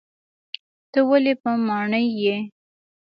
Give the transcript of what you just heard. ته ولي پر ماڼي یې ؟